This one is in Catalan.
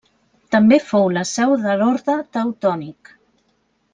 També fou la seu de l'Orde Teutònic.